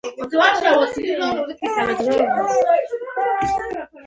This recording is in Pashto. د ترکي غالیو واردات بند دي؟